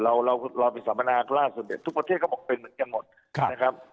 เราเราไปสัมมนาล่าสุดเนี่ยทุกประเทศก็บอกเป็นเหมือนกันหมดนะครับ